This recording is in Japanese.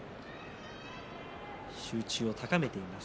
集中を高めています。